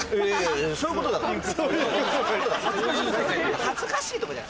そういうことだから。